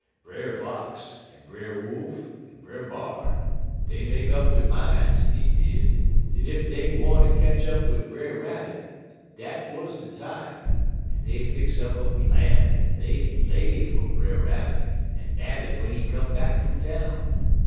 "Brer Fox, en Brer Wolf, en Brer B'ar, dey make up der mines, dey did, dat ef dey gwine ter ketch up wid Brer Rabbit, dat wuz de time, en dey fix up a plan dat dey'd lay fer Brer Rabbit en nab 'im w'en he come back fum town.